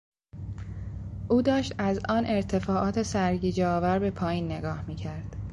او داشت از آن ارتفاعات سرگیجهآور به پایین نگاه میکرد.